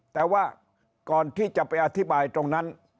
แต่ว่าก่อนที่จะไปอธิบายตรงนั้น